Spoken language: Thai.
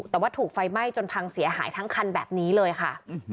แต่ว่าถูกไฟไหม้จนพังเสียหายทั้งคันแบบนี้เลยค่ะ